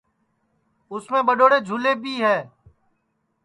اُس میں ٻڈؔوڑے جھولے بھی ہے